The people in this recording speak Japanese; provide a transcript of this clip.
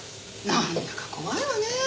なんだか怖いわねぇ。